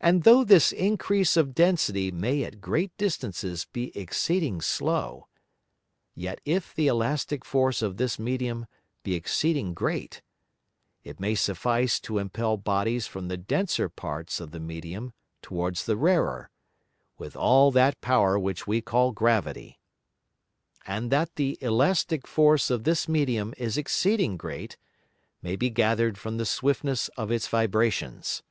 And though this Increase of density may at great distances be exceeding slow, yet if the elastick force of this Medium be exceeding great, it may suffice to impel Bodies from the denser parts of the Medium towards the rarer, with all that power which we call Gravity. And that the elastick force of this Medium is exceeding great, may be gather'd from the swiftness of its Vibrations.